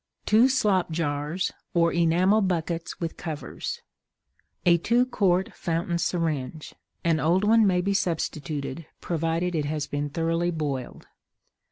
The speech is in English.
Two slop Jars or enamel Buckets with Covers. A two quart Fountain Syringe; an old one may be substituted provided it has been thoroughly boiled.